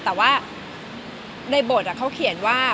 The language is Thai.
แต่ว่าในบทเขาเขียนว่า